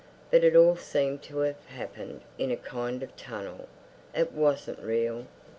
But it all seemed to have happened in a kind of tunnel. It wasn't real.